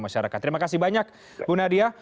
masyarakat terima kasih banyak bu nadia